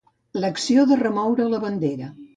L'acció de remoure la bandera.